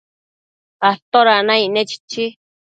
¿toda naicne?chichi